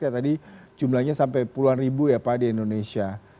tadi jumlahnya sampai puluhan ribu ya pak di indonesia